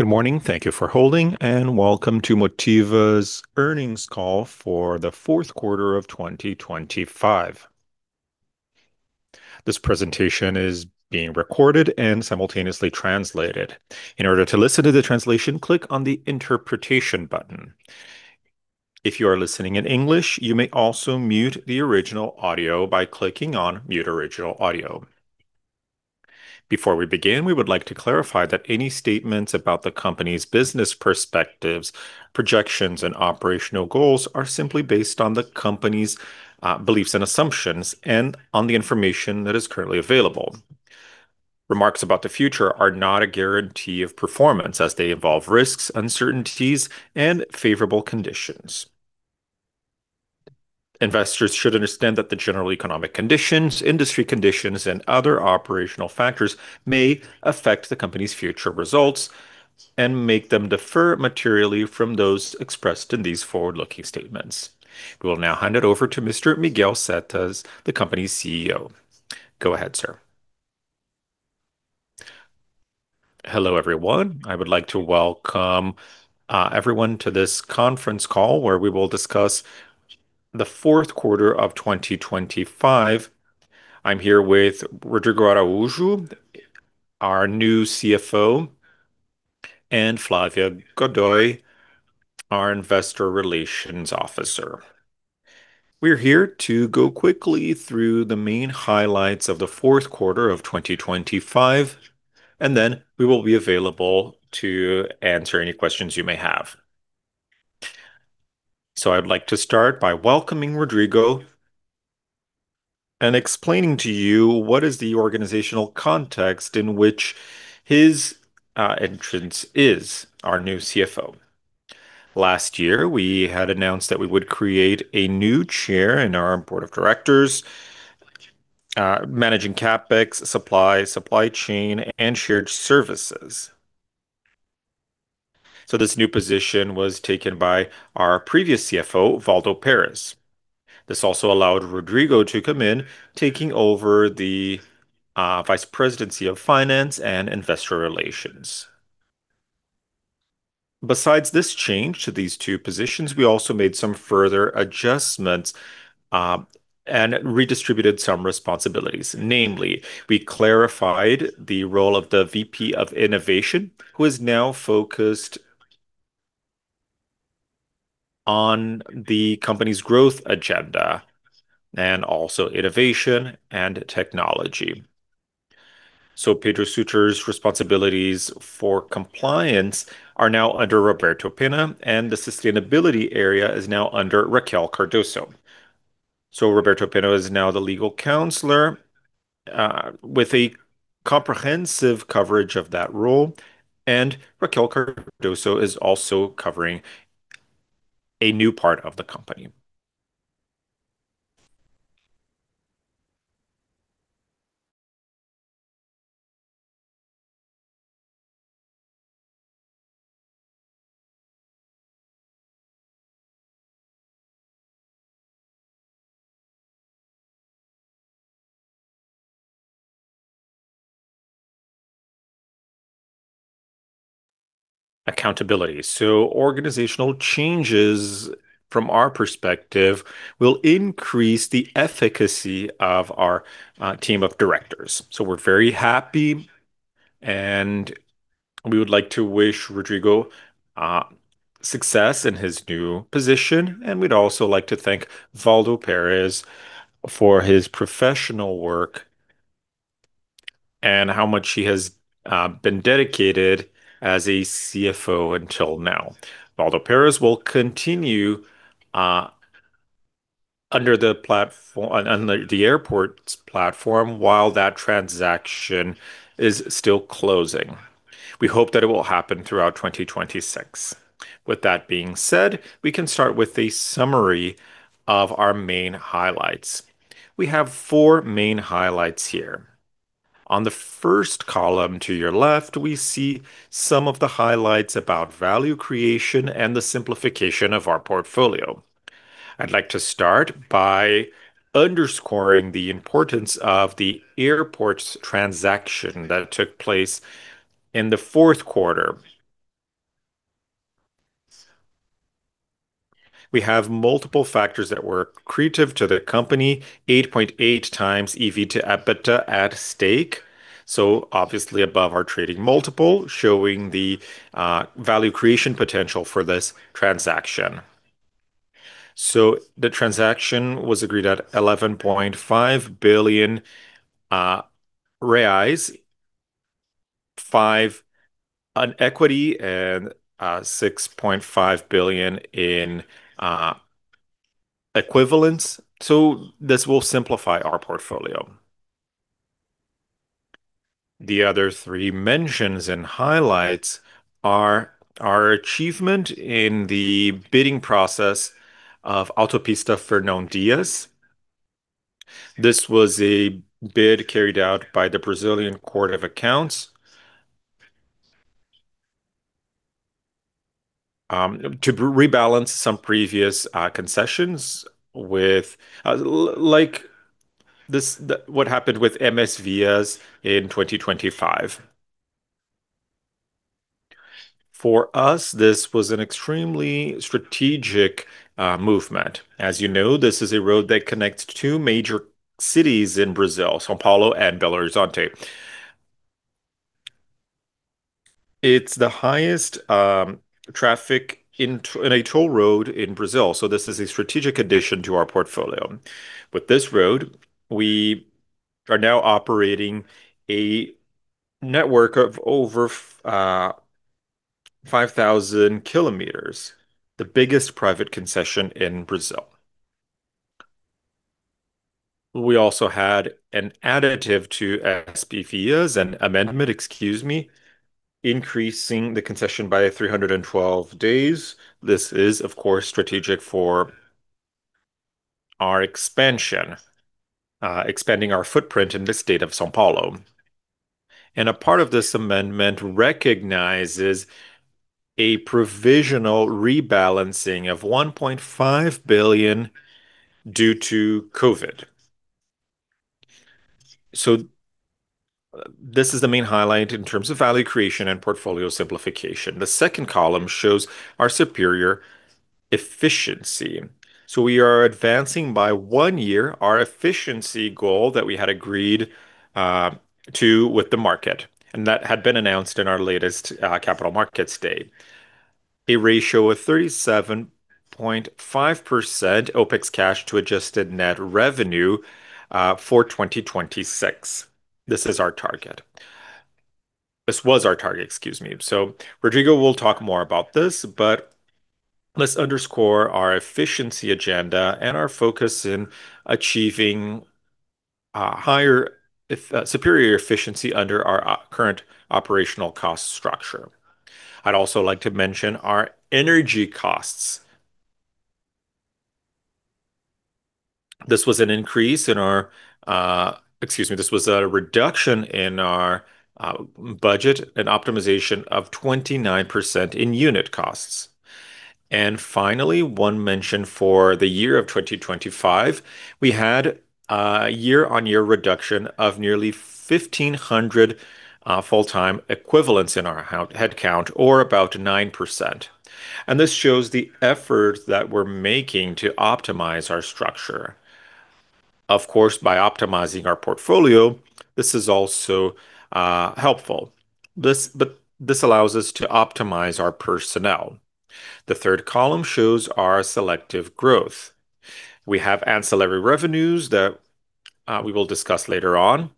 Good morning. Thank you for holding, and welcome to Motiva's earnings call for the fourth quarter of 2025. This presentation is being recorded and simultaneously translated. In order to listen to the translation, click on the Interpretation button. If you are listening in English, you may also mute the original audio by clicking on Mute Original Audio. Before we begin, we would like to clarify that any statements about the company's business perspectives, projections, and operational goals are simply based on the company's beliefs and assumptions, and on the information that is currently available. Remarks about the future are not a guarantee of performance, as they involve risks, uncertainties, and favorable conditions. Investors should understand that the general economic conditions, industry conditions, and other operational factors may affect the company's future results and make them differ materially from those expressed in these forward-looking statements. We will now hand it over to Mr. Miguel Setas, the company's CEO. Go ahead, sir. Hello, everyone. I would like to welcome everyone to this conference call, where we will discuss the fourth quarter of 2025. I'm here with Rodrigo Araujo, our new CFO, and Flávia Godoy, our Investor Relations Officer. We're here to go quickly through the main highlights of the fourth quarter of 2025, and then we will be available to answer any questions you may have. So I'd like to start by welcoming Rodrigo and explaining to you what is the organizational context in which his entrance is our new CFO. Last year, we had announced that we would create a new chair in our board of directors, managing CapEx, supply, supply chain, and shared services. So this new position was taken by our previous CFO, Waldo Perez. This also allowed Rodrigo to come in, taking over the vice presidency of finance and investor relations. Besides this change to these two positions, we also made some further adjustments and redistributed some responsibilities. Namely, we clarified the role of the VP of innovation, who is now focused on the company's growth agenda and also innovation and technology. So Pedro Suter's responsibilities for compliance are now under Roberto Penna, and the sustainability area is now under Raquel Cardoso. So Roberto Penna is now the legal counselor with a comprehensive coverage of that role, and Raquel Cardoso is also covering a new part of the company. Accountability. So organizational changes from our perspective will increase the efficacy of our team of directors. So we're very happy, and we would like to wish Rodrigo success in his new position, and we'd also like to thank Waldo Perez for his professional work and how much he has been dedicated as a CFO until now. Waldo Perez will continue under the platform... on, on the airports platform, while that transaction is still closing. We hope that it will happen throughout 2026. With that being said, we can start with a summary of our main highlights. We have four main highlights here. On the first column to your left, we see some of the highlights about value creation and the simplification of our portfolio. I'd like to start by underscoring the importance of the airports transaction that took place in the fourth quarter. We have multiple factors that were accretive to the company, 8.8x EV to EBITDA at stake, so obviously above our trading multiple, showing the value creation potential for this transaction. So the transaction was agreed at 11.5 billion reais, 5 billion on equity and 6.5 billion in equivalents, so this will simplify our portfolio. The other three mentions and highlights are our achievement in the bidding process of Autopista Fernão Dias. This was a bid carried out by the Brazilian Court of Accounts to rebalance some previous concessions with like this, the what happened with MSVias in 2025. For us, this was an extremely strategic movement. As you know, this is a road that connects two major cities in Brazil, São Paulo and Belo Horizonte. It's the highest traffic in a toll road in Brazil, so this is a strategic addition to our portfolio. With this road, we are now operating a network of over 5,000 kilometers, the biggest private concession in Brazil. We also had an additive to SPVias, an amendment, excuse me, increasing the concession by 312 days. This is, of course, strategic for our expansion, expanding our footprint in the state of São Paulo. And a part of this amendment recognizes a provisional rebalancing of 1.5 billion due to COVID. So, this is the main highlight in terms of value creation and portfolio simplification. The second column shows our superior efficiency. So we are advancing by one year our efficiency goal that we had agreed to with the market, and that had been announced in our latest capital markets date. A ratio of 37.5% OpEx cash to adjusted net revenue for 2026. This is our target. This was our target, excuse me. So Rodrigo will talk more about this, but let's underscore our efficiency agenda and our focus in achieving higher superior efficiency under our current operational cost structure. I'd also like to mention our energy costs. This was an increase in our, excuse me, this was a reduction in our budget and optimization of 29% in unit costs. Finally, one mention for the year of 2025, we had a year-on-year reduction of nearly 1,500 full-time equivalents in our count, headcount, or about 9%, and this shows the effort that we're making to optimize our structure. Of course, by optimizing our portfolio, this is also helpful. But this allows us to optimize our personnel. The third column shows our selective growth. We have ancillary revenues that we will discuss later on,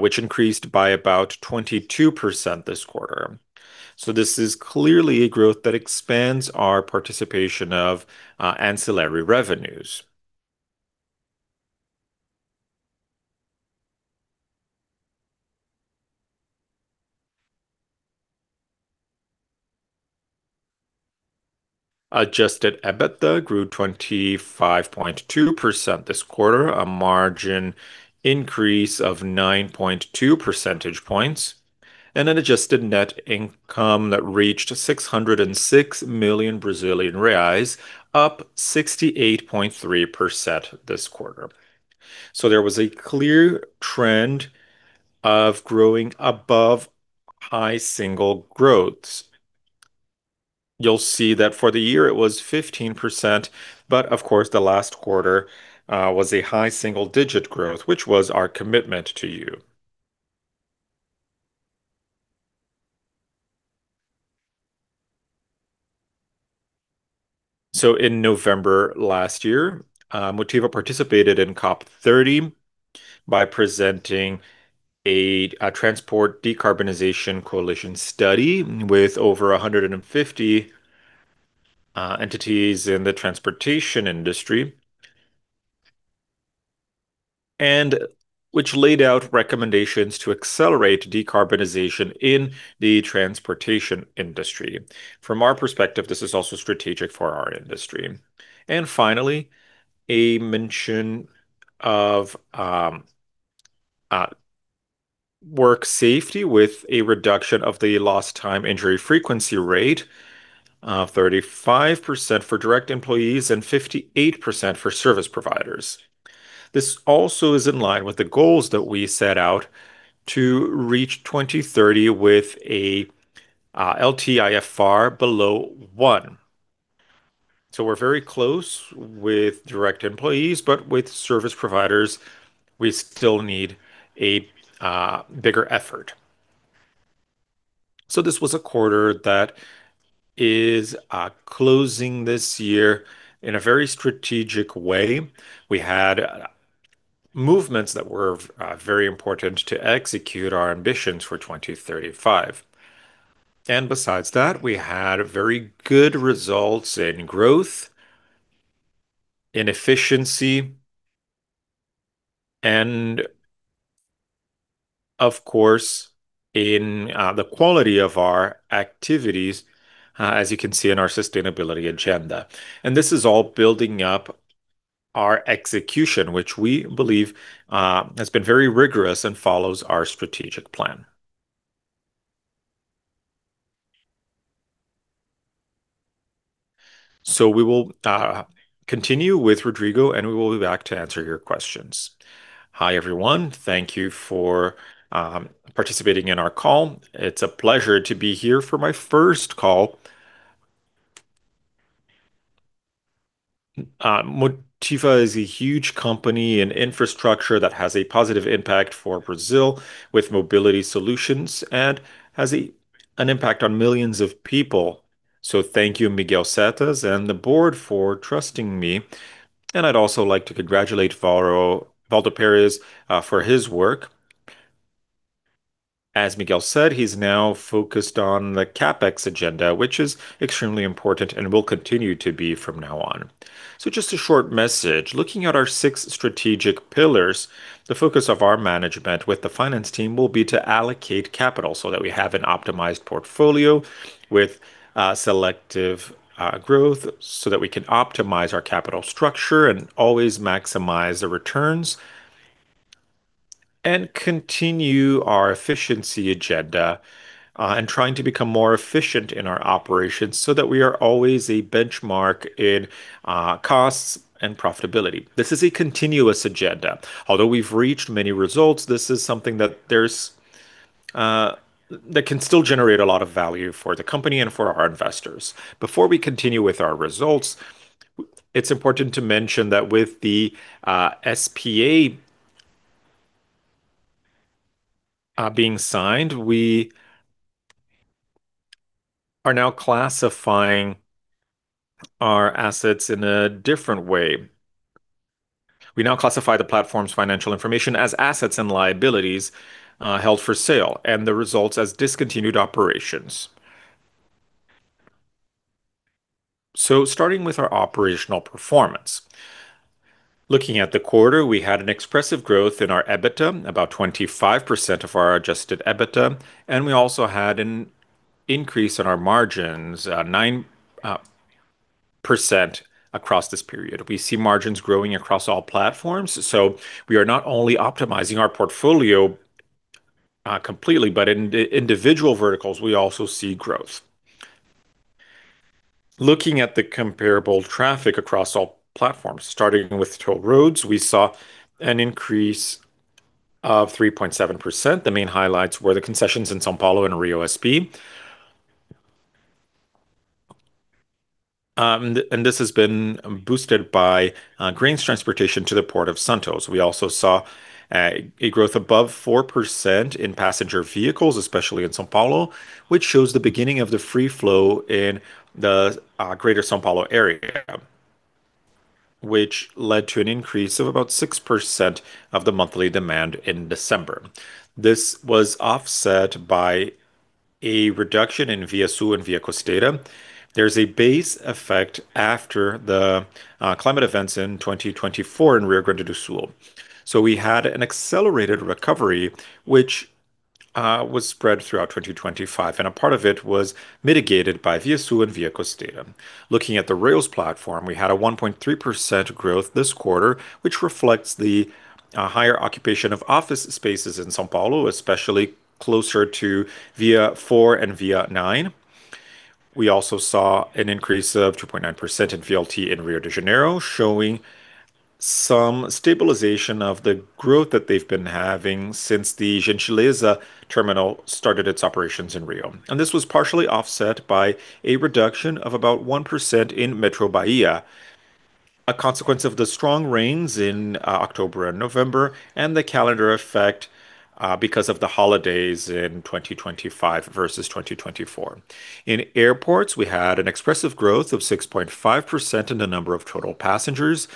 which increased by about 22% this quarter. So this is clearly a growth that expands our participation of ancillary revenues. Adjusted EBITDA grew 25.2% this quarter, a margin increase of 9.2 percentage points, and an adjusted net income that reached 606 million Brazilian reais, up 68.3% this quarter. So there was a clear trend of growing above high single growths. You'll see that for the year it was 15%, but of course, the last quarter, was a high single-digit growth, which was our commitment to you. So in November last year, Motiva participated in COP30 by presenting a Transport Decarbonization Coalition study with over 150, entities in the transportation industry, and which laid out recommendations to accelerate decarbonization in the transportation industry. From our perspective, this is also strategic for our industry. And finally, a mention of, work safety with a reduction of the lost time injury frequency rate, 35% for direct employees and 58% for service providers. This also is in line with the goals that we set out to reach 2030 with a, LTIFR below one. So we're very close with direct employees, but with service providers, we still need a bigger effort. So this was a quarter that is closing this year in a very strategic way. We had movements that were very important to execute our ambitions for 2035. And besides that, we had very good results in growth, in efficiency, and of course, in the quality of our activities, as you can see in our sustainability agenda, and this is all building up our execution, which we believe has been very rigorous and follows our strategic plan. So we will continue with Rodrigo, and we will be back to answer your questions. Hi, everyone. Thank you for participating in our call. It's a pleasure to be here for my first call. Motiva is a huge company in infrastructure that has a positive impact for Brazil with mobility solutions and has an impact on millions of people. So thank you, Miguel Setas and the board, for trusting me, and I'd also like to congratulate Waldo Perez for his work. As Miguel said, he's now focused on the CapEx agenda, which is extremely important and will continue to be from now on. So just a short message. Looking at our six strategic pillars, the focus of our management with the finance team will be to allocate capital so that we have an optimized portfolio with selective growth, so that we can optimize our capital structure and always maximize the returns, and continue our efficiency agenda, and trying to become more efficient in our operations so that we are always a benchmark in costs and profitability. This is a continuous agenda. Although we've reached many results, this is something that there's that can still generate a lot of value for the company and for our investors. Before we continue with our results, it's important to mention that with the SPA being signed, we are now classifying our assets in a different way. We now classify the platform's financial information as assets and liabilities held for sale, and the results as discontinued operations. So starting with our operational performance. Looking at the quarter, we had an expressive growth in our EBITDA, about 25% of our adjusted EBITDA, and we also had an increase in our margins, 9% across this period. We see margins growing across all platforms, so we are not only optimizing our portfolio completely, but in the individual verticals, we also see growth. Looking at the comparable traffic across all platforms, starting with toll roads, we saw an increase of 3.7%. The main highlights were the concessions in São Paulo and RioSP. This has been boosted by grains transportation to the port of Santos. We also saw a growth above 4% in passenger vehicles, especially in São Paulo, which shows the beginning of the Free Flow in the greater São Paulo area, which led to an increase of about 6% of the monthly demand in December. This was offset by a reduction in ViaSul and ViaCosteira. There's a base effect after the climate events in 2024 in Rio Grande do Sul. So we had an accelerated recovery, which was spread throughout 2025, and a part of it was mitigated by ViaSul and ViaCosteira. Looking at the rails platform, we had a 1.3% growth this quarter, which reflects the higher occupation of office spaces in São Paulo, especially closer to Via Four and Via Nine. We also saw an increase of 2.9% in VLT in Rio de Janeiro, showing some stabilization of the growth that they've been having since the Gentileza Terminal started its operations in Rio. This was partially offset by a reduction of about 1% in Metrô Bahia, a consequence of the strong rains in October and November, and the calendar effect because of the holidays in 2025 versus 2024. In airports, we had an expressive growth of 6.5% in the number of total passengers.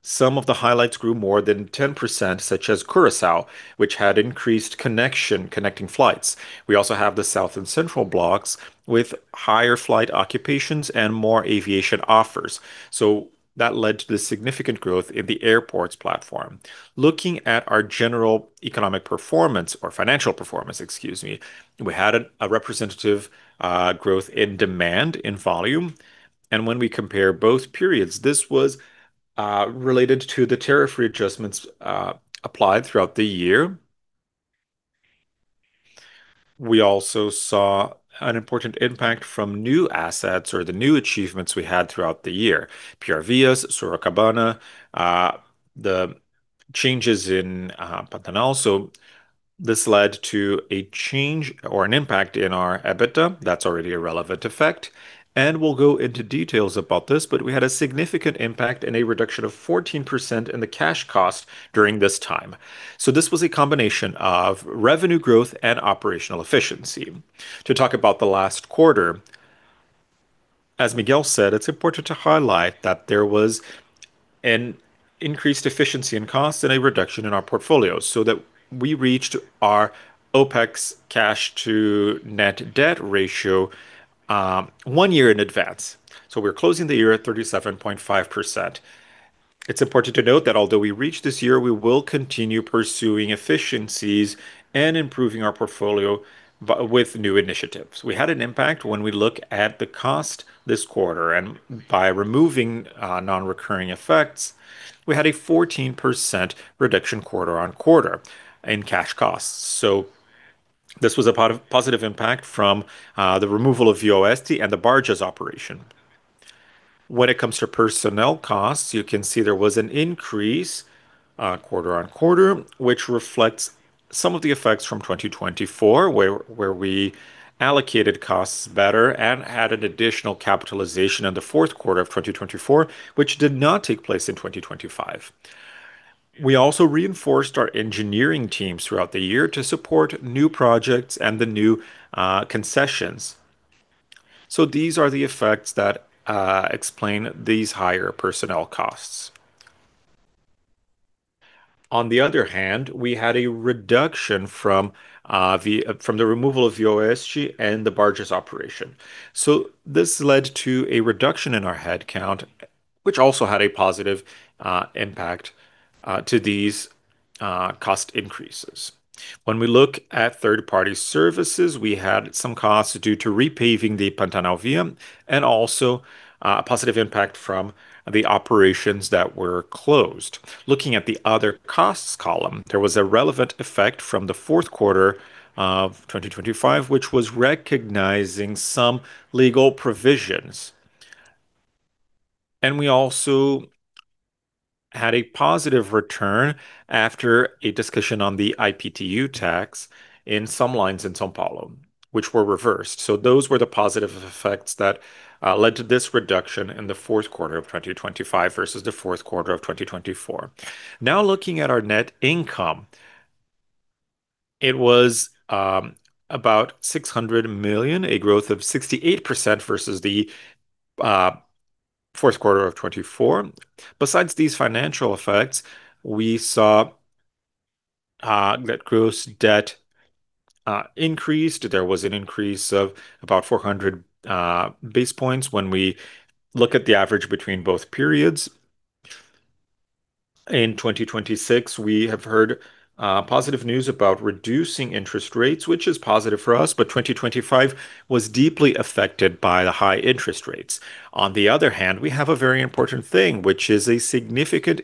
Some of the highlights grew more than 10%, such as Curaçao, which had increased connection, connecting flights. We also have the South and Central blocs with higher flight occupations and more aviation offers, so that led to the significant growth in the airports platform. Looking at our general economic performance or financial performance, excuse me, we had a representative growth in demand in volume, and when we compare both periods, this was related to the tariff readjustments applied throughout the year. We also saw an important impact from new assets or the new achievements we had throughout the year: PR Vias, Sorocabana, the changes in Pantanal. So this led to a change or an impact in our EBITDA. That's already a relevant effect, and we'll go into details about this, but we had a significant impact and a reduction of 14% in the cash cost during this time. So this was a combination of revenue growth and operational efficiency. To talk about the last quarter, as Miguel said, it's important to highlight that there was an increased efficiency in costs and a reduction in our portfolio, so that we reached our OpEx cash to net debt ratio one year in advance. So we're closing the year at 37.5%. It's important to note that although we reached this year, we will continue pursuing efficiencies and improving our portfolio with new initiatives. We had an impact when we look at the cost this quarter, and by removing non-recurring effects, we had a 14% reduction quarter-on-quarter in cash costs. So this was a part of positive impact from the removal of VOST and the barges operation. When it comes to personnel costs, you can see there was an increase, quarter-over-quarter, which reflects some of the effects from 2024, where, where we allocated costs better and had an additional capitalization in the fourth quarter of 2024, which did not take place in 2025. We also reinforced our engineering teams throughout the year to support new projects and the new, concessions. So these are the effects that, explain these higher personnel costs. On the other hand, we had a reduction from, the, from the removal of VOSG and the barges operation. So this led to a reduction in our headcount, which also had a positive, impact, to these, cost increases. When we look at third-party services, we had some costs due to repaving the Motiva Pantanal, and also a positive impact from the operations that were closed. Looking at the other costs column, there was a relevant effect from the fourth quarter of 2025, which was recognizing some legal provisions. We also had a positive return after a discussion on the IPTU tax in some lines in São Paulo, which were reversed. Those were the positive effects that led to this reduction in the fourth quarter of 2025 versus the fourth quarter of 2024. Now, looking at our net income, it was about 600 million, a growth of 68% versus the fourth quarter of 2024. Besides these financial effects, we saw net gross debt increased. There was an increase of about 400 base points when we look at the average between both periods. In 2026, we have heard positive news about reducing interest rates, which is positive for us, but 2025 was deeply affected by the high interest rates. On the other hand, we have a very important thing, which is a significant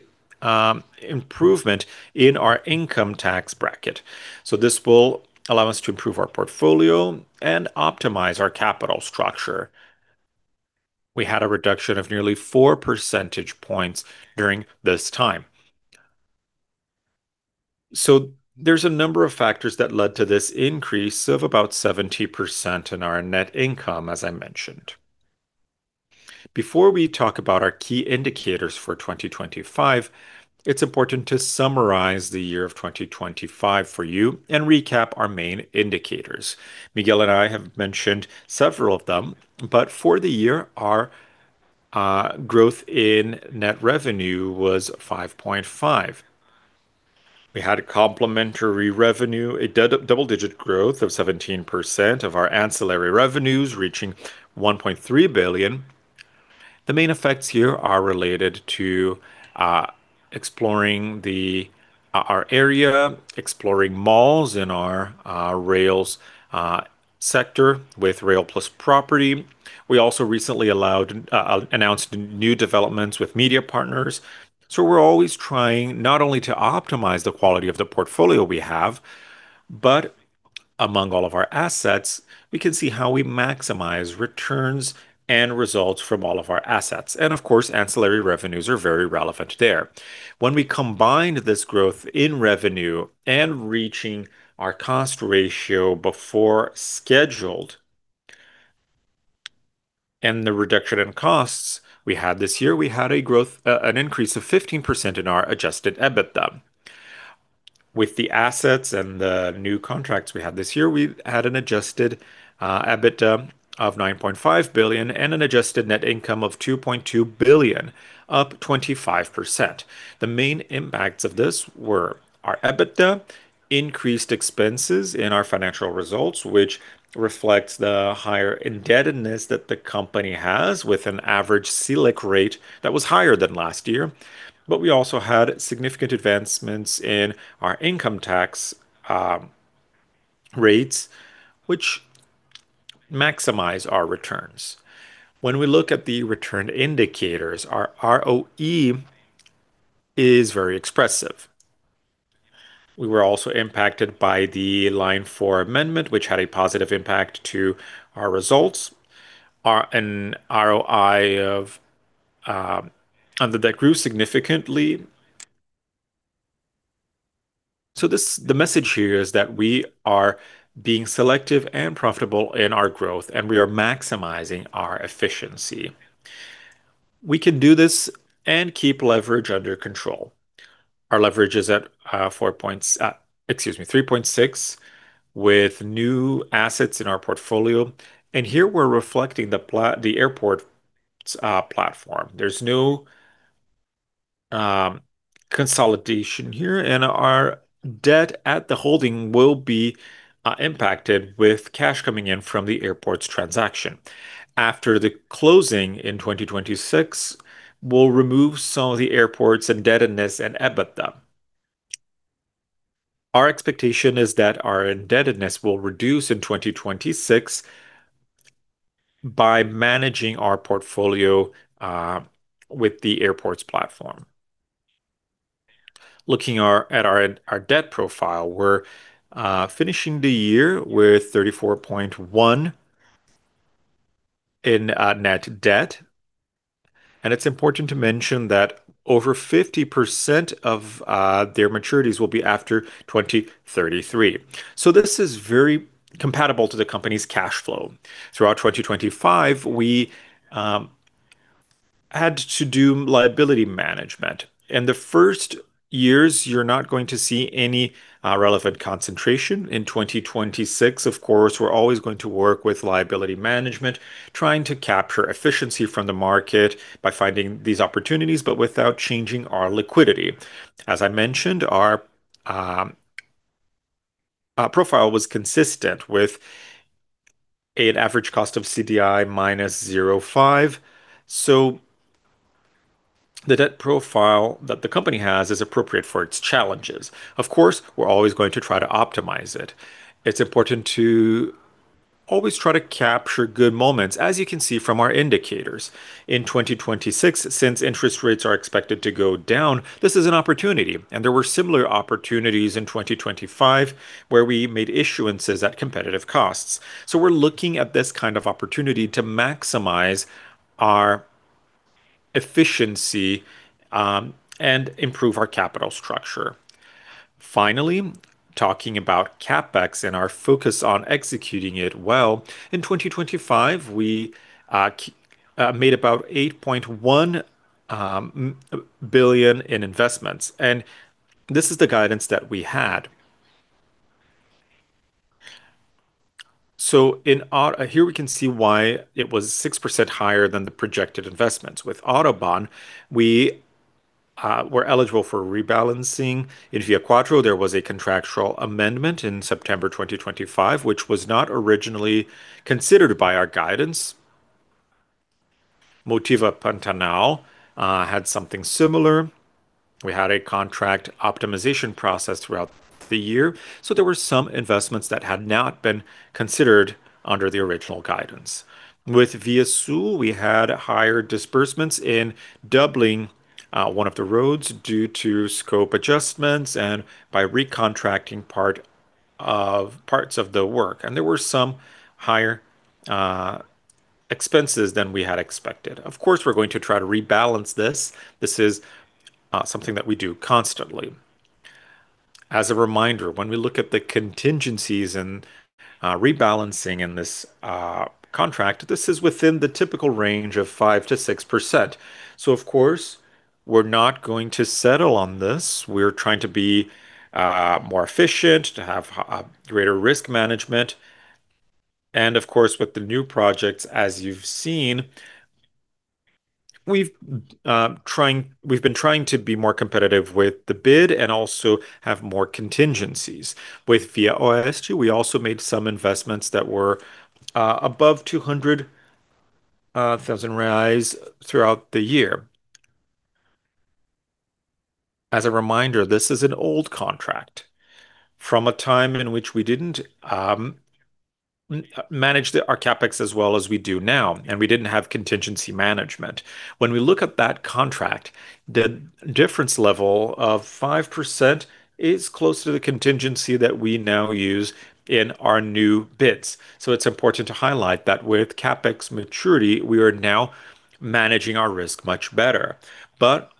improvement in our income tax bracket. So this will allow us to improve our portfolio and optimize our capital structure. We had a reduction of nearly 4 percentage points during this time. So there's a number of factors that led to this increase of about 70% in our net income, as I mentioned. Before we talk about our key indicators for 2025, it's important to summarize the year of 2025 for you and recap our main indicators. Miguel and I have mentioned several of them, but for the year, our growth in net revenue was 5.5%. We had a complementary revenue, a double-digit growth of 17% of our ancillary revenues, reaching 1.3 billion. The main effects here are related to exploring our area, exploring malls in our rails sector with Rail + Property. We also recently announced new developments with media partners. We're always trying not only to optimize the quality of the portfolio we have, but among all of our assets, we can see how we maximize returns and results from all of our assets. And of course, ancillary revenues are very relevant there. When we combined this growth in revenue and reaching our cost ratio before scheduled, and the reduction in costs we had this year, we had an increase of 15% in our Adjusted EBITDA. With the assets and the new contracts we had this year, we've had an adjusted EBITDA of 9.5 billion and an adjusted net income of 2.2 billion, up 25%. The main impacts of this were our EBITDA increased expenses in our financial results, which reflects the higher indebtedness that the company has with an average Selic rate that was higher than last year. But we also had significant advancements in our income tax rates, which maximize our returns. When we look at the return indicators, our ROE is very expressive. We were also impacted by the Line 4 Amendment, which had a positive impact to our results. An ROI of and that grew significantly. So, this the message here is that we are being selective and profitable in our growth, and we are maximizing our efficiency. We can do this and keep leverage under control. Our leverage is at four points, excuse me, 3.6, with new assets in our portfolio. Here we're reflecting the airport platform. There's no consolidation here, and our debt at the holding will be impacted with cash coming in from the airport's transaction. After the closing in 2026, we'll remove some of the airport's indebtedness and EBITDA. Our expectation is that our indebtedness will reduce in 2026 by managing our portfolio with the airports platform. Looking at our debt profile, we're finishing the year with 34.1 in net debt, and it's important to mention that over 50% of their maturities will be after 2033. So this is very compatible to the company's cash flow. Throughout 2025, we had to do liability management. In the first years, you're not going to see any relevant concentration. In 2026, of course, we're always going to work with liability management, trying to capture efficiency from the market by finding these opportunities, but without changing our liquidity. As I mentioned, our profile was consistent with an average cost of CDI - 0.05. So the debt profile that the company has is appropriate for its challenges. Of course, we're always going to try to optimize it. It's important to always try to capture good moments, as you can see from our indicators. In 2026, since interest rates are expected to go down, this is an opportunity, and there were similar opportunities in 2025, where we made issuances at competitive costs. So we're looking at this kind of opportunity to maximize our efficiency, and improve our capital structure. Finally, talking about CapEx and our focus on executing it well, in 2025, we made about 8.1 billion in investments, and this is the guidance that we had. So in our... Here we can see why it was 6% higher than the projected investments. With AutoBAn, we were eligible for rebalancing. In ViaQuatro, there was a contractual amendment in September 2025, which was not originally considered by our guidance. MSVia had something similar. We had a contract optimization process throughout the year, so there were some investments that had not been considered under the original guidance. With Via Sul, we had higher disbursements in doubling one of the roads due to scope adjustments and by recontracting part of, parts of the work, and there were some higher expenses than we had expected. Of course, we're going to try to rebalance this. This is something that we do constantly. As a reminder, when we look at the contingencies and rebalancing in this contract, this is within the typical range of 5% to 6%. So of course, we're not going to settle on this. We're trying to be more efficient, to have greater risk management. Of course, with the new projects, as you've seen, we've been trying to be more competitive with the bid and also have more contingencies. With ViaOeste, we also made some investments that were above 200 thousand reais throughout the year. As a reminder, this is an old contract from a time in which we didn't manage our CapEx as well as we do now, and we didn't have contingency management. When we look at that contract, the difference level of 5% is close to the contingency that we now use in our new bids. So it's important to highlight that with CapEx maturity, we are now managing our risk much better. But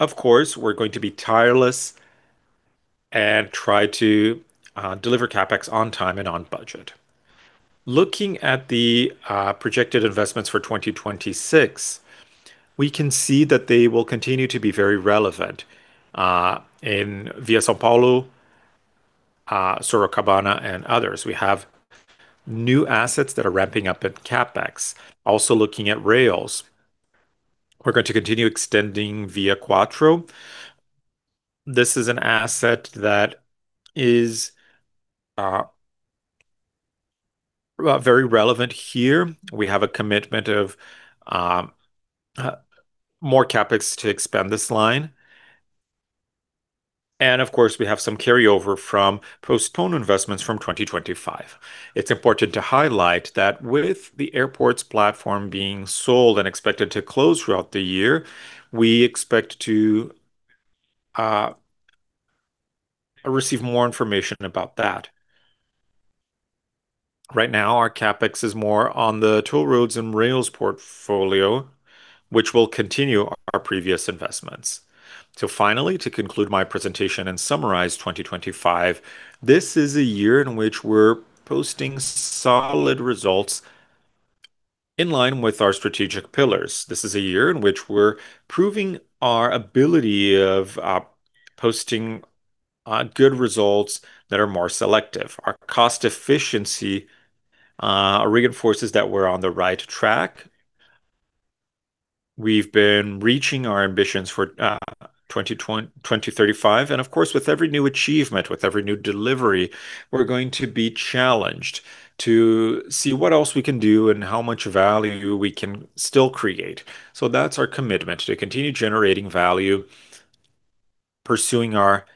of course, we're going to be tireless and try to deliver CapEx on time and on budget. Looking at the projected investments for 2026, we can see that they will continue to be very relevant in Via São Paulo, Sorocabana, and others. We have new assets that are ramping up in CapEx, also looking at rails. We're going to continue extending ViaQuatro. This is an asset that is very relevant here. We have a commitment of more CapEx to expand this line. Of course, we have some carryover from postponed investments from 2025. It's important to highlight that with the airports platform being sold and expected to close throughout the year, we expect to receive more information about that. Right now, our CapEx is more on the toll roads and rails portfolio, which will continue our previous investments. So finally, to conclude my presentation and summarize 2025, this is a year in which we're posting solid results in line with our strategic pillars. This is a year in which we're proving our ability of posting good results that are more selective. Our cost efficiency reinforces that we're on the right track.... We've been reaching our ambitions for 2035, and of course, with every new achievement, with every new delivery, we're going to be challenged to see what else we can do and how much value we can still create. So that's our commitment, to continue generating value, pursuing our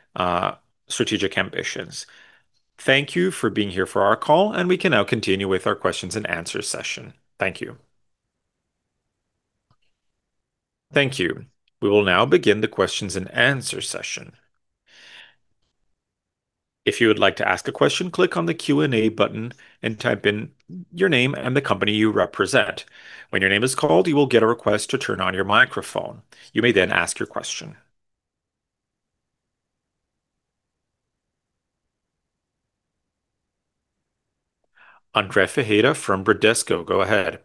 strategic ambitions. Thank you for being here for our call, and we can now continue with our questions and answer session. Thank you. Thank you. We will now begin the questions and answer session. If you would like to ask a question, click on the Q&A button and type in your name and the company you represent. When your name is called, you will get a request to turn on your microphone. You may then ask your question. André Ferreira from Bradesco, go ahead.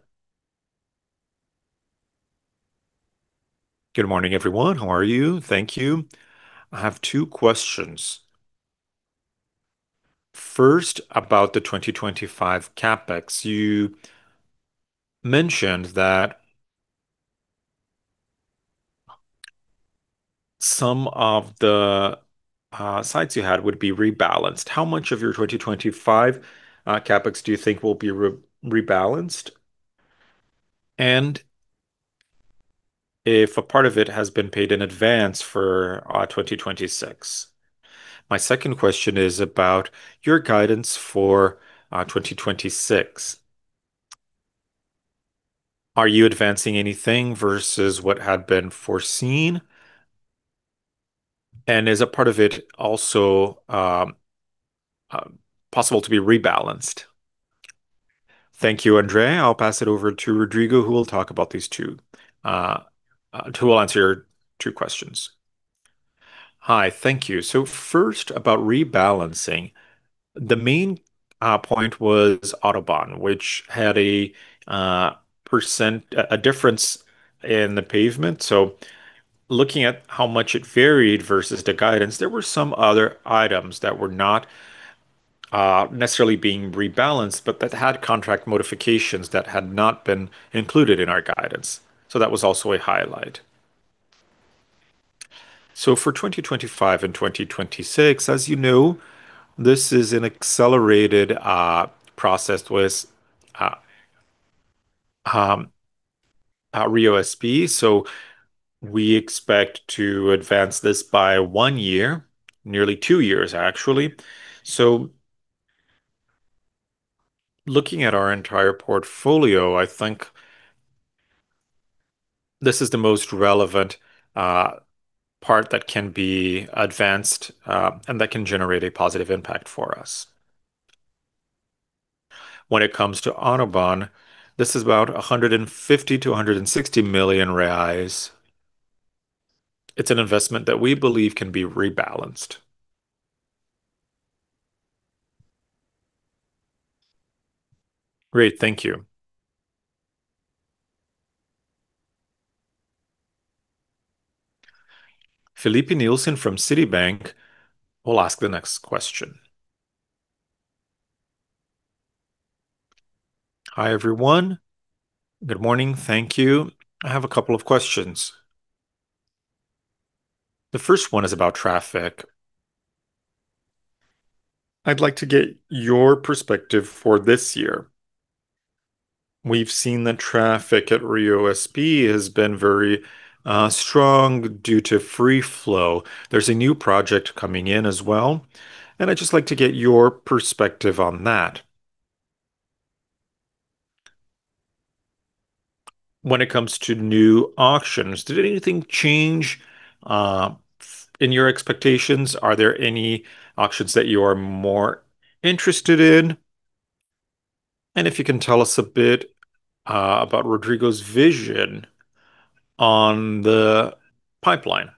Good morning, everyone. How are you? Thank you. I have two questions. First, about the 2025 CapEx. You mentioned that some of the sites you had would be rebalanced. How much of your 2025 CapEx do you think will be rebalanced? And if a part of it has been paid in advance for 2026. My second question is about your guidance for 2026. Are you advancing anything versus what had been foreseen? And is a part of it also possible to be rebalanced? Thank you, André. I'll pass it over to Rodrigo, who will answer your two questions. Hi. Thank you. So first, about rebalancing, the main point was AutoBAn, which had a percent difference in the pavement. So looking at how much it varied versus the guidance, there were some other items that were not necessarily being rebalanced, but that had contract modifications that had not been included in our guidance. So that was also a highlight. So for 2025 and 2026, as you know, this is an accelerated process with RioSP, so we expect to advance this by one year, nearly two years, actually. So looking at our entire portfolio, I think this is the most relevant part that can be advanced, and that can generate a positive impact for us. When it comes to AutoBAn, this is about 150 million reais to 160 million reais. It's an investment that we believe can be rebalanced. Great. Thank you. Felipe Nilson from Citi will ask the next question. Hi, everyone. Good morning. Thank you. I have a couple of questions. The first one is about traffic. I'd like to get your perspective for this year. We've seen the traffic at RioSP has been very strong due to Free Flow. There's a new project coming in as well, and I'd just like to get your perspective on that. When it comes to new auctions, did anything change in your expectations? Are there any auctions that you are more interested in? And if you can tell us a bit about Rodrigo's vision on the pipeline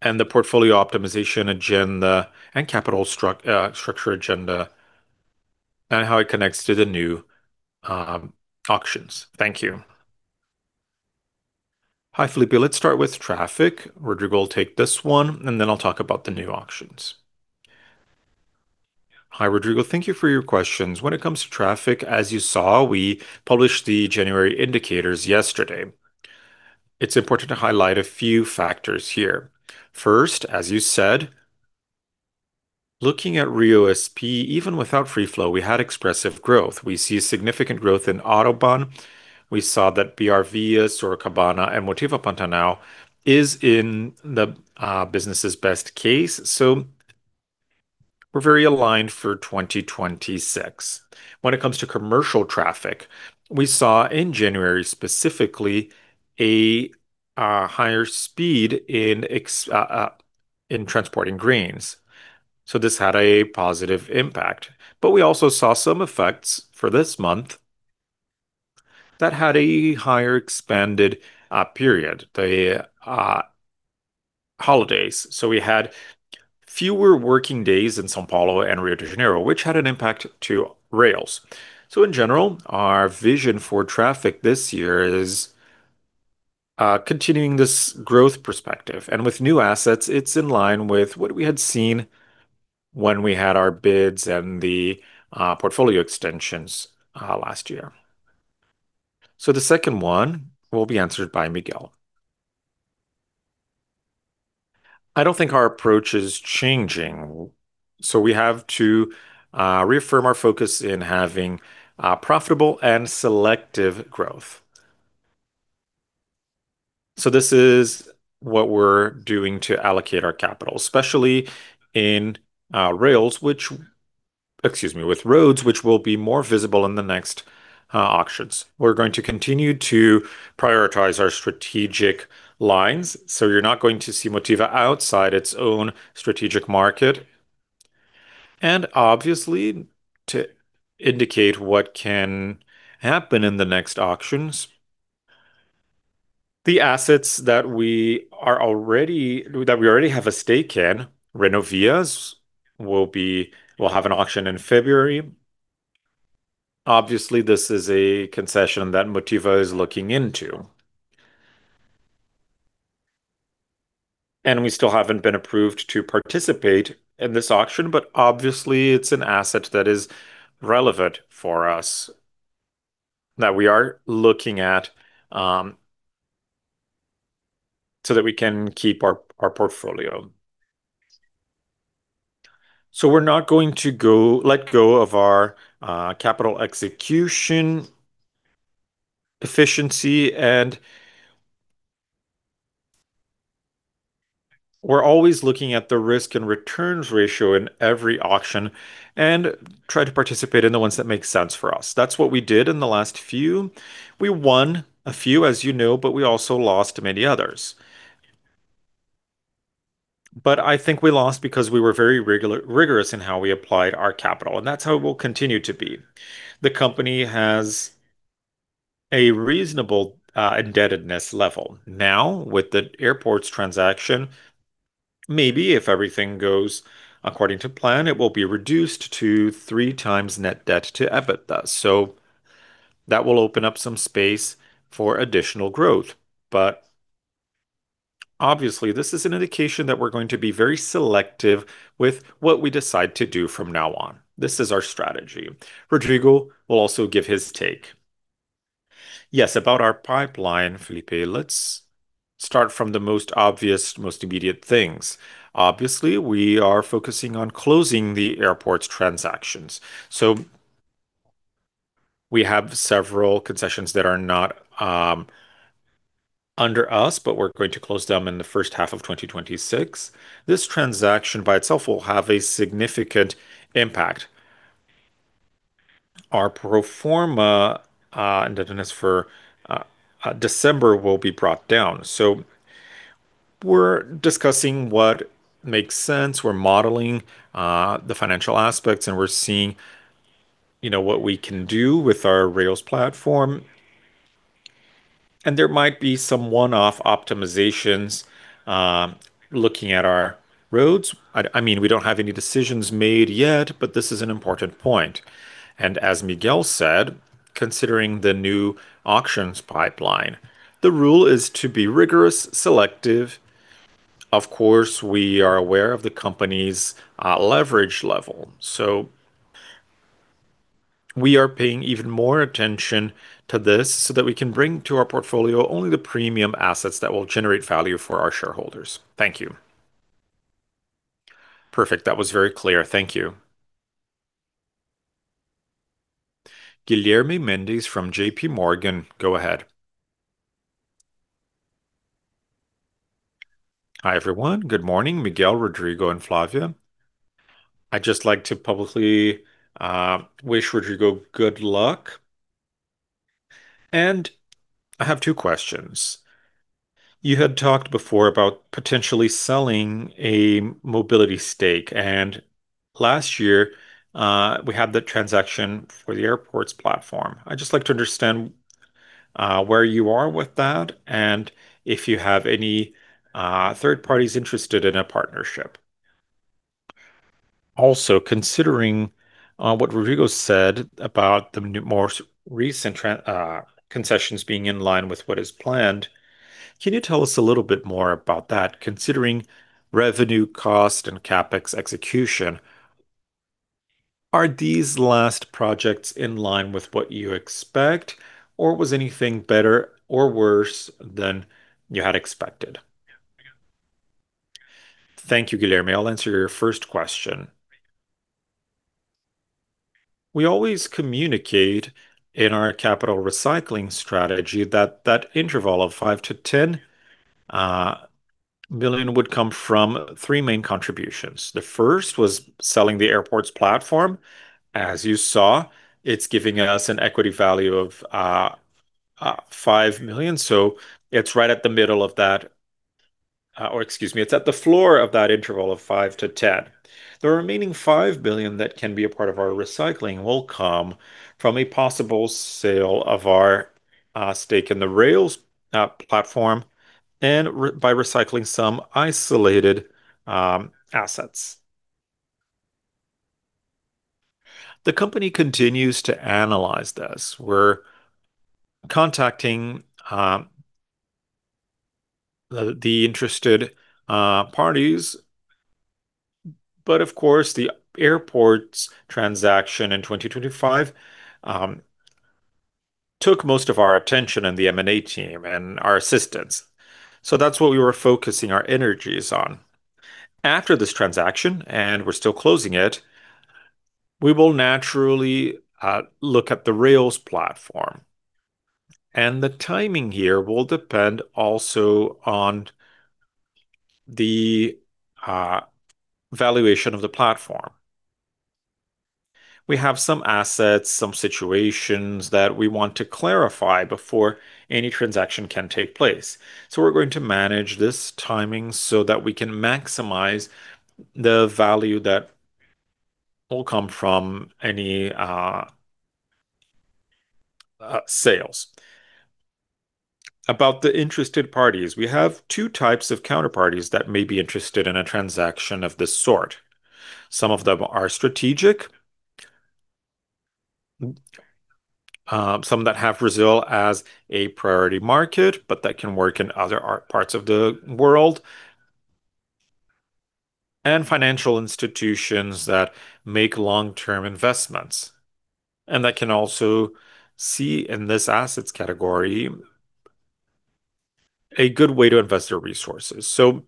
and the portfolio optimization agenda and capital structure agenda, and how it connects to the new auctions. Thank you. Hi, Felipe. Let's start with traffic. Rodrigo will take this one, and then I'll talk about the new auctions. Hi, Rodrigo. Thank you for your questions. When it comes to traffic, as you saw, we published the January indicators yesterday. It's important to highlight a few factors here. First, as you said, looking at RioSP, even without free flow, we had expressive growth. We see significant growth in AutoBAn. We saw that BRV, Sorocabana and MSVia is in the business' best case, so we're very aligned for 2026. When it comes to commercial traffic, we saw in January, specifically, a higher speed in ex... in transporting greens, so this had a positive impact. But we also saw some effects for this month that had a higher expanded period, the holidays. So we had fewer working days in São Paulo and Rio de Janeiro, which had an impact to rails. So in general, our vision for traffic this year is continuing this growth perspective, and with new assets, it's in line with what we had seen when we had our bids and the portfolio extensions last year. So the second one will be answered by Miguel. I don't think our approach is changing, so we have to reaffirm our focus in having profitable and selective growth. So this is what we're doing to allocate our capital, especially in rails, which excuse me, with roads, which will be more visible in the next auctions. We're going to continue to prioritize our strategic lines, so you're not going to see Motiva outside its own strategic market. And obviously, to indicate what can happen in the next auctions, the assets that we are already-- that we already have a stake in, Renovias, will be-- will have an auction in February. Obviously, this is a concession that Motiva is looking into. And we still haven't been approved to participate in this auction, but obviously, it's an asset that is relevant for us, that we are looking at, so that we can keep our portfolio. So we're not going to let go of our capital execution, efficiency, and we're always looking at the risk and returns ratio in every auction and try to participate in the ones that make sense for us. That's what we did in the last few. We won a few, as you know, but we also lost many others. But I think we lost because we were very rigorous in how we applied our capital, and that's how it will continue to be. The company has a reasonable indebtedness level. Now, with the airports transaction, maybe if everything goes according to plan, it will be reduced to 3x net debt to EBITDA, so that will open up some space for additional growth. But obviously, this is an indication that we're going to be very selective with what we decide to do from now on. This is our strategy. Rodrigo will also give his take. Yes, about our pipeline, Felipe, let's start from the most obvious, most immediate things. Obviously, we are focusing on closing the airports transactions, so we have several concessions that are not under us, but we're going to close them in the first half of 2026. This transaction by itself will have a significant impact. Our pro forma indebtedness for December will be brought down. So we're discussing what makes sense, we're modeling the financial aspects, and we're seeing, you know, what we can do with our rails platform. And there might be some one-off optimizations looking at our roads. I mean, we don't have any decisions made yet, but this is an important point. And as Miguel said, considering the new auctions pipeline, the rule is to be rigorous, selective. Of course, we are aware of the company's leverage level, so we are paying even more attention to this so that we can bring to our portfolio only the premium assets that will generate value for our shareholders. Thank you. Perfect.That was very clear. Thank you. Guilherme Mendes from J.P. Morgan, go ahead. Hi, everyone. Good morning, Miguel, Rodrigo, and Flávia. I'd just like to publicly wish Rodrigo good luck, and I have two questions. You had talked before about potentially selling a mobility stake, and last year we had the transaction for the airports platform. I'd just like to understand where you are with that and if you have any third parties interested in a partnership. Also, considering what Rodrigo said about the more recent trend, concessions being in line with what is planned, can you tell us a little bit more about that, considering revenue, cost, and CapEx execution? Are these last projects in line with what you expect, or was anything better or worse than you had expected? Thank you, Guilherme. I'll answer your first question. We always communicate in our capital recycling strategy that that interval of 5 billion to 10 billion would come from three main contributions. The first was selling the airports platform. As you saw, it's giving us an equity value of 5 million, so it's right at the middle of that, or excuse me, it's at the floor of that interval of 5 billion to 10 billion. The remaining 5 billion that can be a part of our recycling will come from a possible sale of our stake in the rails platform and by recycling some isolated assets. The company continues to analyze this. We're contacting the interested parties. But of course, the airports transaction in 2025 took most of our attention and the M&A team and our assistants. So that's what we were focusing our energies on. After this transaction, and we're still closing it, we will naturally look at the rails platform, and the timing here will depend also on the valuation of the platform. We have some assets, some situations that we want to clarify before any transaction can take place. So we're going to manage this timing so that we can maximize the value that will come from any sales. About the interested parties, we have two types of counterparties that may be interested in a transaction of this sort. Some of them are strategic, some that have Brazil as a priority market, but that can work in other parts of the world, and financial institutions that make long-term investments, and that can also see in this assets category, a good way to invest their resources. So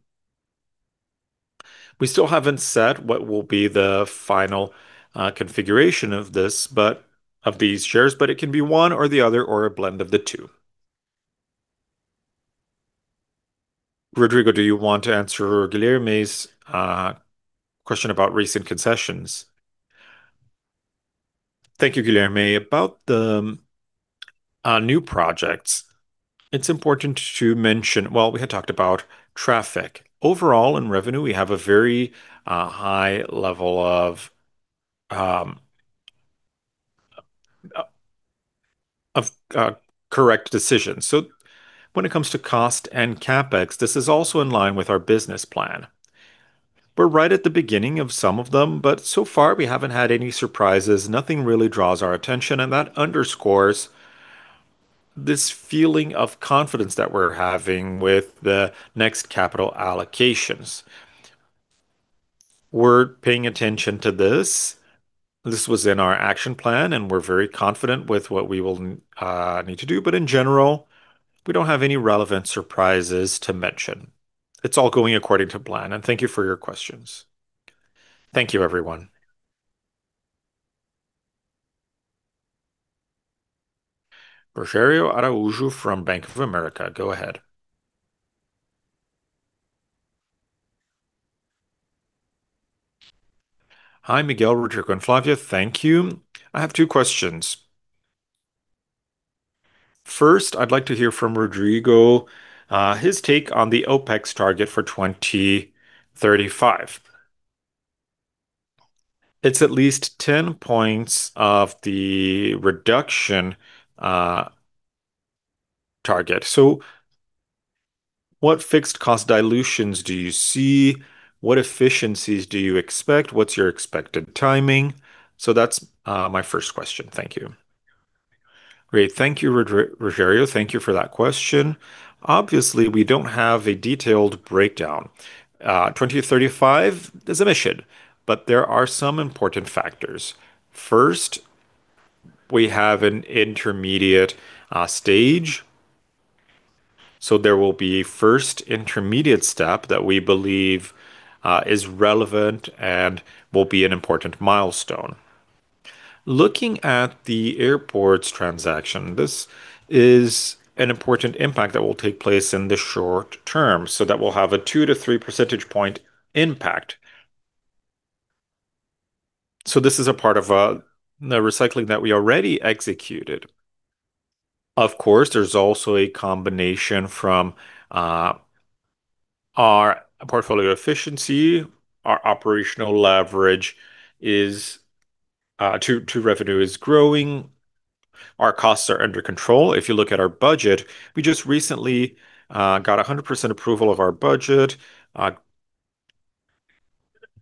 we still haven't set what will be the final, configuration of this, but of these shares, but it can be one or the other, or a blend of the two. Rodrigo, do you want to answer Guilherme's question about recent concessions? Thank you, Guilherme. About the new projects, it's important to mention... Well, we had talked about traffic. Overall, in revenue, we have a very high level of correct decisions. So when it comes to cost and CapEx, this is also in line with our business plan. We're right at the beginning of some of them, but so far, we haven't had any surprises. Nothing really draws our attention, and that underscores this feeling of confidence that we're having with the next capital allocations. We're paying attention to this. This was in our action plan, and we're very confident with what we will need to do, but in general, we don't have any relevant surprises to mention. It's all going according to plan, and thank you for your questions. Thank you, everyone. Rogério Araújo from Bank of America, go ahead. Hi, Miguel, Rodrigo, and Flávia. Thank you. I have two questions. First, I'd like to hear from Rodrigo, his take on the OpEx target for 2035. It's at least 10 points of the reduction target. So what fixed cost dilutions do you see? What efficiencies do you expect? What's your expected timing? So that's my first question. Thank you. Great. Thank you, Rogério. Thank you for that question. Obviously, we don't have a detailed breakdown. 2035 is a mission, but there are some important factors. First, we have an intermediate stage, so there will be first intermediate step that we believe is relevant and will be an important milestone. Looking at the airports transaction, this is an important impact that will take place in the short term, so that will have a 2 to 3 percentage point impact. So this is a part of the recycling that we already executed. Of course, there's also a combination from our portfolio efficiency. Our operational leverage is to revenue is growing. Our costs are under control. If you look at our budget, we just recently got 100% approval of our budget.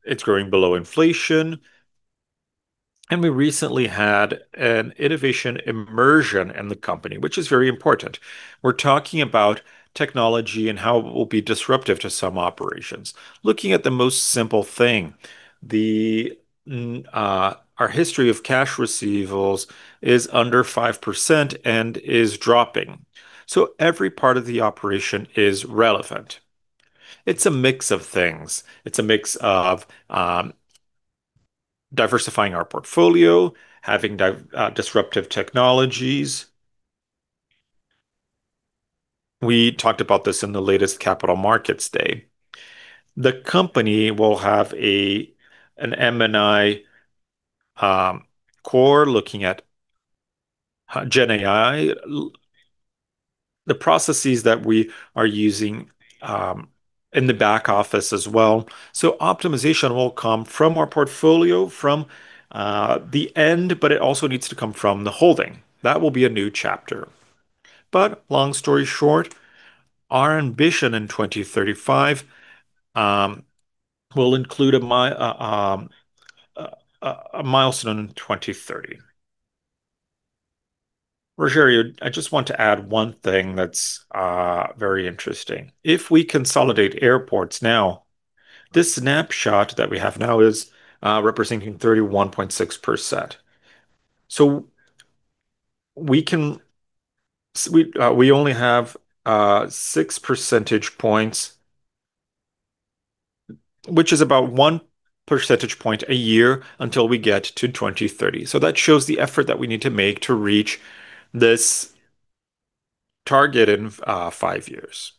It's growing below inflation, and we recently had an innovation immersion in the company, which is very important. We're talking about technology and how it will be disruptive to some operations. Looking at the most simple thing, our history of cash receivables is under 5% and is dropping. So every part of the operation is relevant. It's a mix of things. It's a mix of diversifying our portfolio, having disruptive technologies. We talked about this in the latest capital markets day. The company will have an M&I core looking at GenAI, the processes that we are using in the back office as well. So optimization will come from our portfolio, from, the end, but it also needs to come from the holding. That will be a new chapter. But long story short, our ambition in 2035 will include a milestone in 2030. Rogério, I just want to add one thing that's very interesting. If we consolidate airports now, this snapshot that we have now is representing 31.6%. So we only have six percentage points, which is about one percentage point a year until we get to 2030. So that shows the effort that we need to make to reach this target in five years,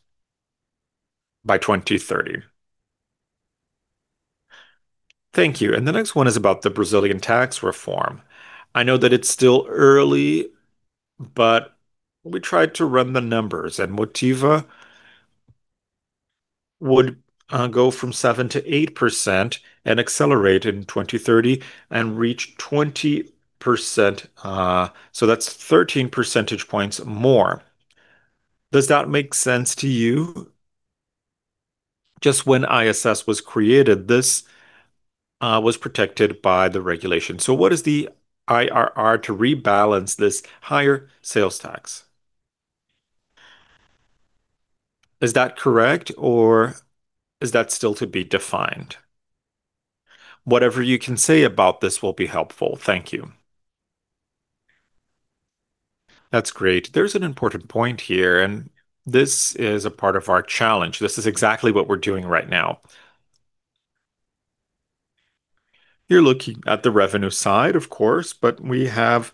by 2030. Thank you. And the next one is about the Brazilian tax reform. I know that it's still early, but we tried to run the numbers, and Motiva would go from 7%-8% and accelerate in 2030 and reach 20%, so that's 13 percentage points more. Does that make sense to you? Just when ISS was created, this was protected by the regulation. So what is the IRR to rebalance this higher sales tax? Is that correct, or is that still to be defined? Whatever you can say about this will be helpful. Thank you. That's great. There's an important point here, and this is a part of our challenge. This is exactly what we're doing right now. You're looking at the revenue side, of course, but we have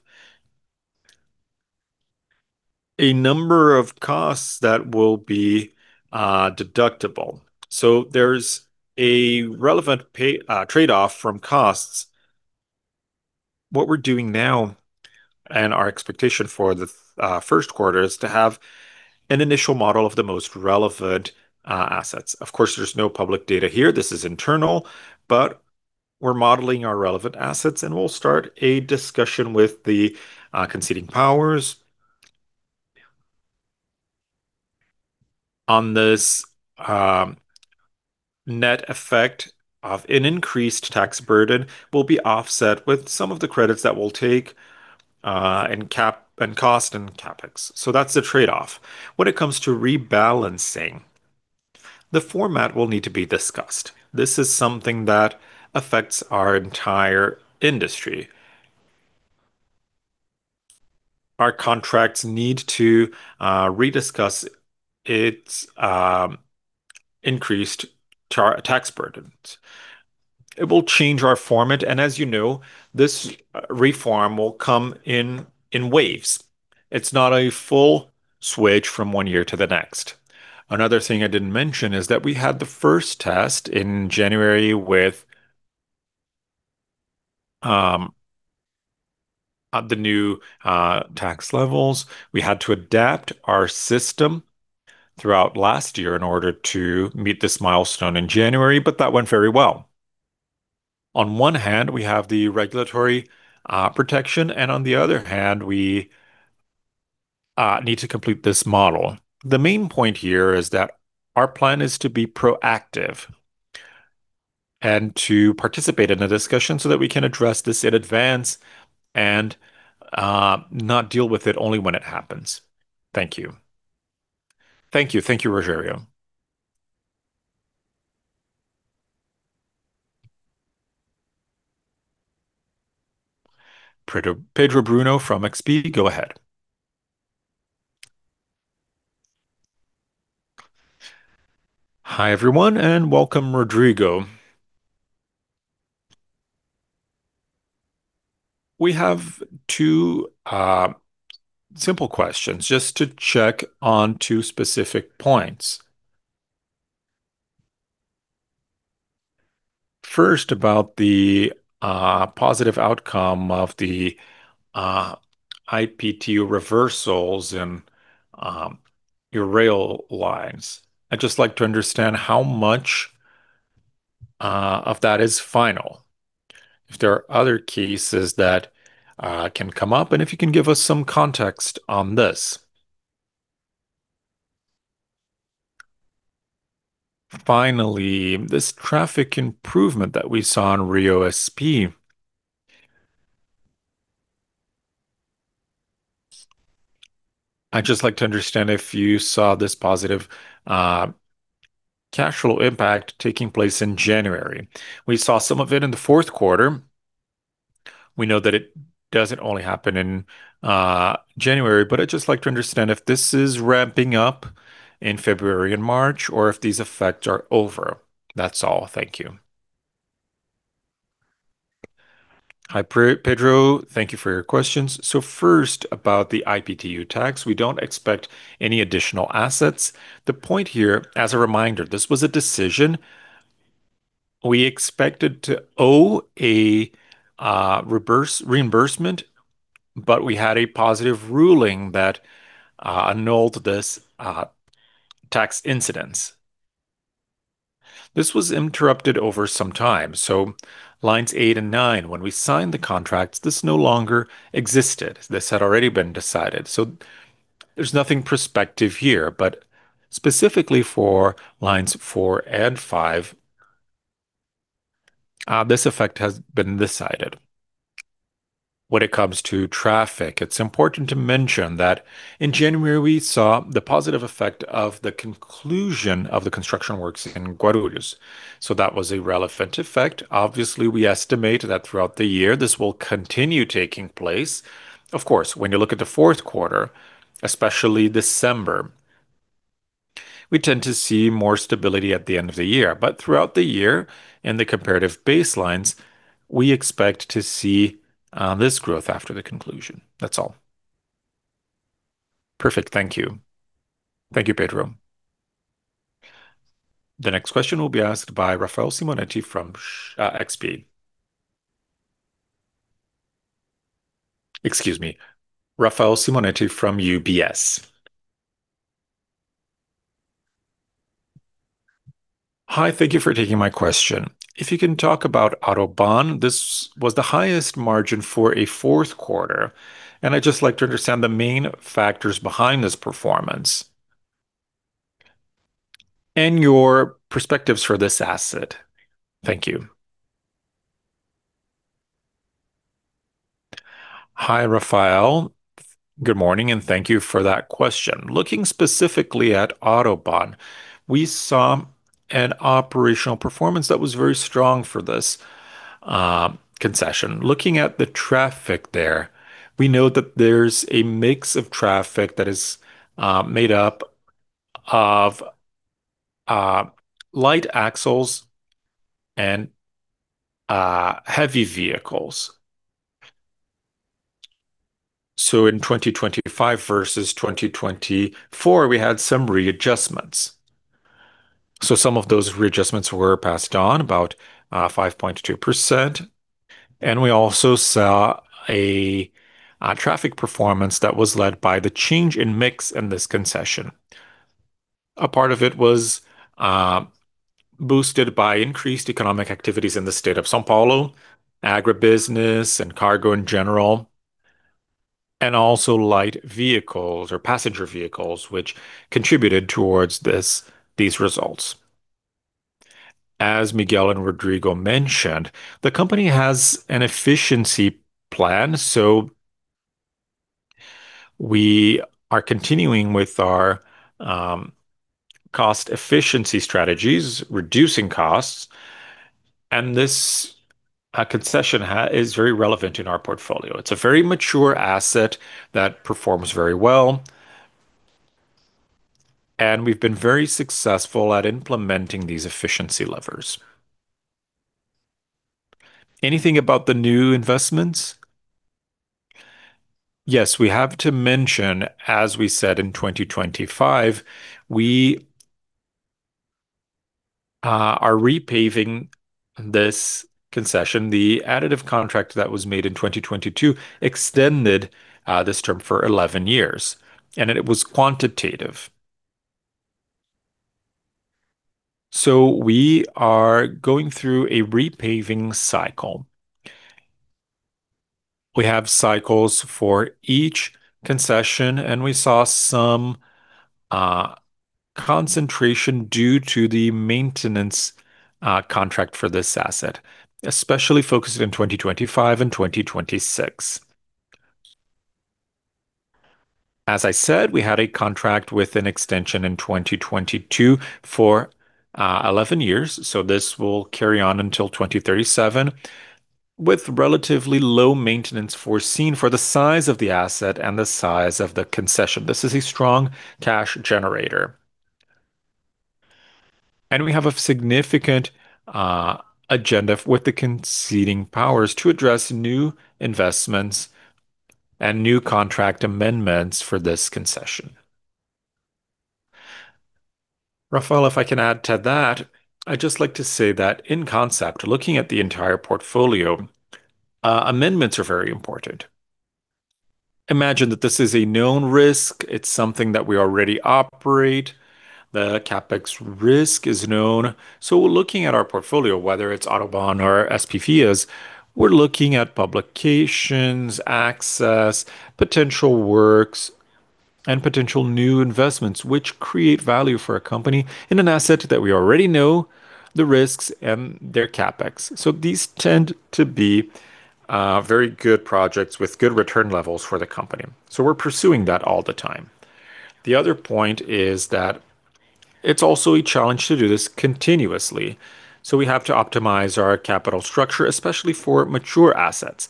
a number of costs that will be deductible. So there's a relevant pay trade-off from costs. What we're doing now, and our expectation for the first quarter, is to have an initial model of the most relevant assets. Of course, there's no public data here, this is internal, but we're modeling our relevant assets, and we'll start a discussion with the conceding powers. On this, net effect of an increased tax burden will be offset with some of the credits that we'll take in cash cost and CapEx. So that's the trade-off. When it comes to rebalancing, the format will need to be discussed. This is something that affects our entire industry. Our contracts need to rediscuss its increased tax burdens. It will change our format, and as you know, this reform will come in waves. It's not a full switch from one year to the next. Another thing I didn't mention is that we had the first test in January with the new tax levels. We had to adapt our system throughout last year in order to meet this milestone in January, but that went very well. On one hand, we have the regulatory protection, and on the other hand, we need to complete this model. The main point here is that our plan is to be proactive and to participate in a discussion so that we can address this in advance and not deal with it only when it happens. Thank you. Thank you. Thank you, Rogério. Pedro, Pedro Bruno from XP, go ahead. Hi, everyone, and welcome, Rodrigo. We have two simple questions just to check on two specific points. First, about the positive outcome of the IPTU reversals in your rail lines. I'd just like to understand how much of that is final, if there are other cases that can come up, and if you can give us some context on this. Finally, this traffic improvement that we saw on RioSP. I'd just like to understand if you saw this positive causal impact taking place in January. We saw some of it in the fourth quarter. We know that it doesn't only happen in January, but I'd just like to understand if this is ramping up in February and March or if these effects are over. That's all. Thank you. Hi, Pedro. Thank you for your questions. So first, about the IPTU tax, we don't expect any additional assets. The point here, as a reminder, this was a decision we expected to owe a reverse reimbursement, but we had a positive ruling that annulled this tax incidence. This was interrupted over some time, so lines 8 and 9, when we signed the contracts, this no longer existed. This had already been decided, so there's nothing prospective here, but specifically for lines 4 and 5, this effect has been decided. When it comes to traffic, it's important to mention that in January, we saw the positive effect of the conclusion of the construction works in Guarulhos, so that was a relevant effect. Obviously, we estimate that throughout the year, this will continue taking place. Of course, when you look at the fourth quarter, especially December, we tend to see more stability at the end of the year. Throughout the year, in the comparative baselines, we expect to see this growth after the conclusion. That's all. Perfect. Thank you. Thank you, Pedro. The next question will be asked by Rafael Simonetti from XP. Excuse me, Rafael Simonetti from UBS. Hi, thank you for taking my question. If you can talk about Autoban, this was the highest margin for a fourth quarter, and I'd just like to understand the main factors behind this performance and your perspectives for this asset. Thank you. Hi, Rafael. Good morning, and thank you for that question. Looking specifically at AutoBAn, we saw an operational performance that was very strong for this concession. Looking at the traffic there, we know that there's a mix of traffic that is made up of light axles and heavy vehicles. So in 2025 versus 2024, we had some readjustments. So some of those readjustments were passed on, about 5.2%, and we also saw a traffic performance that was led by the change in mix in this concession. A part of it was boosted by increased economic activities in the state of São Paulo, agribusiness and cargo in general, and also light vehicles or passenger vehicles, which contributed towards these results. As Miguel and Rodrigo mentioned, the company has an efficiency plan, so we are continuing with our cost efficiency strategies, reducing costs, and this concession is very relevant in our portfolio. It's a very mature asset that performs very well, and we've been very successful at implementing these efficiency levers. Anything about the new investments? Yes, we have to mention, as we said in 2025, we are repaving this concession. The additive contract that was made in 2022 extended this term for 11 years, and it was quantitative. So we are going through a repaving cycle. We have cycles for each concession, and we saw some concentration due to the maintenance contract for this asset, especially focused in 2025 and 2026. As I said, we had a contract with an extension in 2022 for 11 years, so this will carry on until 2037, with relatively low maintenance foreseen for the size of the asset and the size of the concession. This is a strong cash generator. And we have a significant agenda with the conceding powers to address new investments and new contract amendments for this concession. Rafael, if I can add to that, I'd just like to say that in concept, looking at the entire portfolio, amendments are very important. Imagine that this is a known risk. It's something that we already operate. The CapEx risk is known. So we're looking at our portfolio, whether it's AutoBAn or SPVs, we're looking at publications, access, potential works, and potential new investments, which create value for a company in an asset that we already know the risks and their CapEx. So these tend to be, very good projects with good return levels for the company, so we're pursuing that all the time. The other point is that it's also a challenge to do this continuously, so we have to optimize our capital structure, especially for mature assets.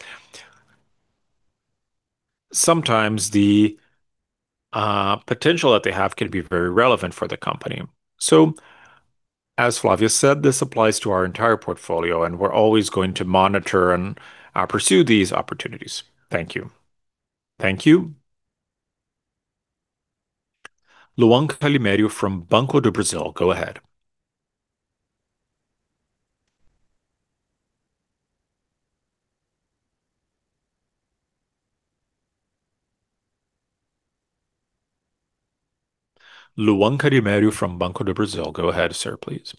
Sometimes the, potential that they have can be very relevant for the company. So as Flávia said, this applies to our entire portfolio, and we're always going to monitor and pursue these opportunities. Thank you. Thank you. Luan Calimério from Banco do Brasil, go ahead. ... Luan Calimério from Banco do Brasil. Go ahead, sir, please.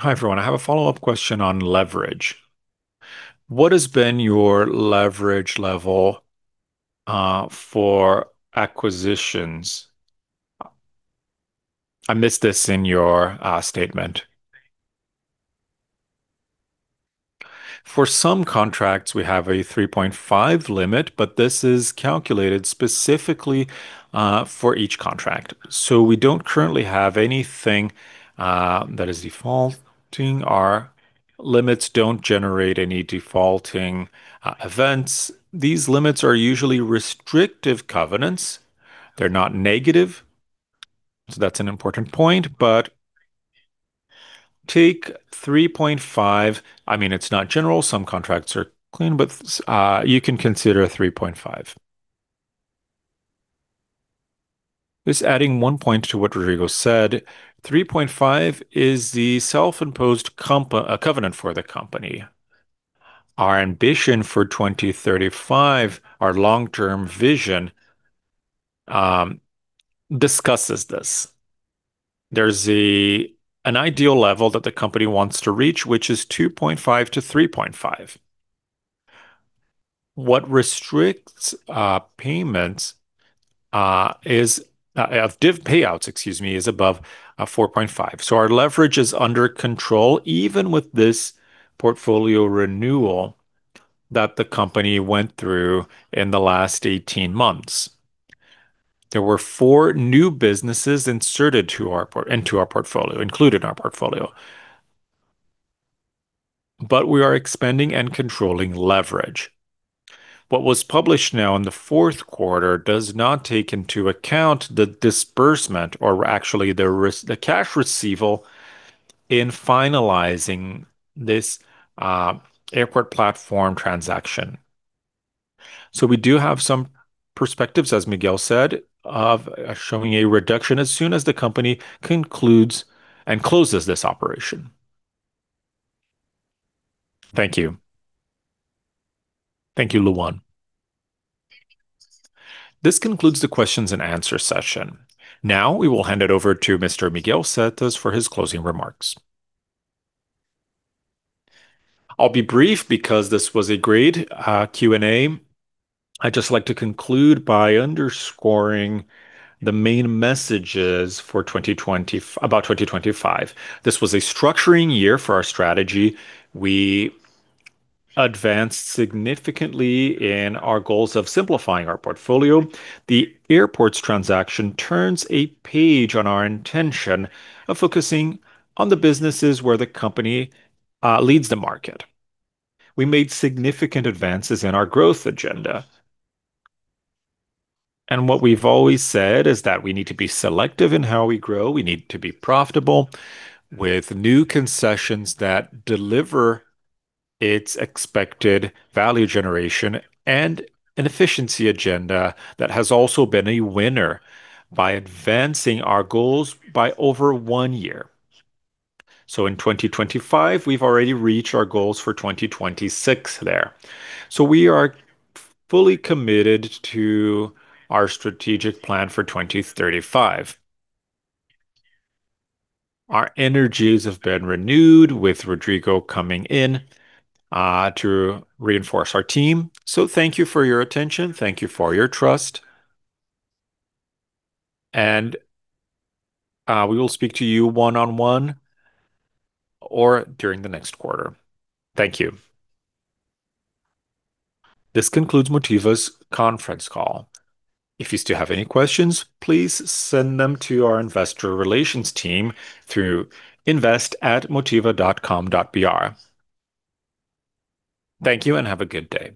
Hi, everyone. I have a follow-up question on leverage. What has been your leverage level for acquisitions? I missed this in your statement. For some contracts, we have a 3.5 limit, but this is calculated specifically for each contract. So we don't currently have anything that is defaulting. Our limits don't generate any defaulting events. These limits are usually restrictive covenants. They're not negative, so that's an important point. But take 3.5... I mean, it's not general. Some contracts are clean, but you can consider 3.5. Just adding one point to what Rodrigo said, 3.5 is the self-imposed covenant for the company. Our ambition for 2035, our long-term vision, discusses this. There's an ideal level that the company wants to reach, which is 2.5 to 3.5. What restricts payments is div payouts, excuse me, is above 4.5. So our leverage is under control, even with this portfolio renewal that the company went through in the last 18 months. There were four new businesses inserted into our portfolio, included in our portfolio, but we are expanding and controlling leverage. What was published now in the fourth quarter does not take into account the disbursement or actually the cash receivable in finalizing this airport platform transaction. So we do have some perspectives, as Miguel said, of showing a reduction as soon as the company concludes and closes this operation. Thank you. Thank you, Luan. This concludes the questions and answer session. Now, we will hand it over to Mr. Miguel Setas for his closing remarks. I'll be brief because this was a great Q&A. I'd just like to conclude by underscoring the main messages for 2025. This was a structuring year for our strategy. We advanced significantly in our goals of simplifying our portfolio. The airports transaction turns a page on our intention of focusing on the businesses where the company leads the market. We made significant advances in our growth agenda, and what we've always said is that we need to be selective in how we grow. We need to be profitable with new concessions that deliver its expected value generation and an efficiency agenda that has also been a winner by advancing our goals by over one year. So in 2025, we've already reached our goals for 2026 there. So we are fully committed to our strategic plan for 2035. Our energies have been renewed, with Rodrigo coming in, to reinforce our team. So thank you for your attention. Thank you for your trust. And we will speak to you one-on-one or during the next quarter. Thank you. This concludes Motiva's conference call. If you still have any questions, please send them to our investor relations team through invest@motiva.com.br. Thank you, and have a good day.